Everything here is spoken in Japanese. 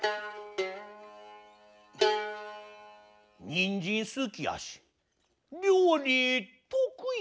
にんじんすきやしりょうりとくいやろ？